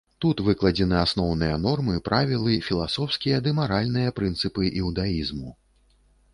Тут выкладзены асноўныя нормы, правілы, філасофскія ды маральныя прынцыпы іўдаізму.